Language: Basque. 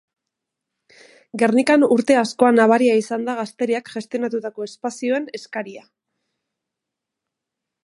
Gernikan urte askoan nabaria izan da gazteriak gestionatutako espazioen eskaria.